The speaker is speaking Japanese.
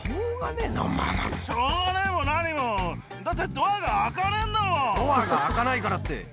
だから。